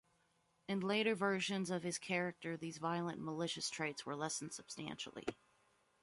In later versions of his character these violent and malicious traits were lessened substantially.